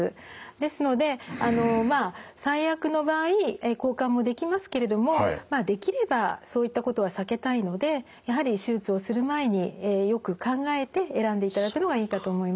ですのでまあ最悪の場合交換もできますけれどもまあできればそういったことは避けたいのでやはり手術をする前によく考えて選んでいただくのがいいかと思います。